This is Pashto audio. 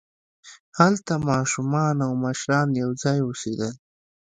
هلته ماشومان او مشران یوځای اوسېدل.